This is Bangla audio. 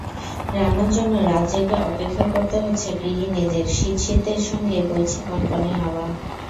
রান্নার জন্য রাত জেগে অপেক্ষা করতে হচ্ছে গৃহিণীদেরশীতশীতের সঙ্গে বইছে কনকনে হাওয়া।